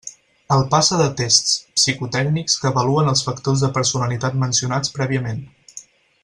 El passe de tests psicotècnics que avaluen els factors de personalitat mencionats prèviament.